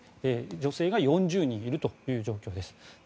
女性が４０人いるという状況です。